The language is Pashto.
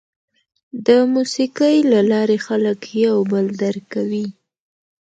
د موسیقۍ له لارې خلک یو بل درک کوي.